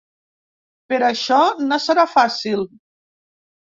Per això no serà fàcil.